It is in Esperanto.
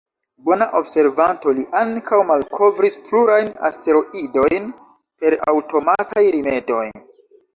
Bona observanto, li ankaŭ malkovris plurajn asteroidojn per aŭtomataj rimedoj.